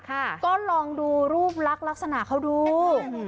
ก็ลองดูรูปลักษณะเขาดู